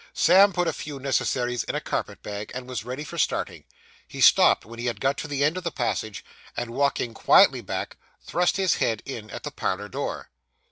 Sam put a few necessaries in a carpet bag, and was ready for starting. He stopped when he had got to the end of the passage, and walking quietly back, thrust his head in at the parlour door.